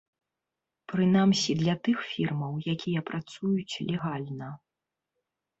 Прынамсі, для тых фірмаў, якія працуюць легальна.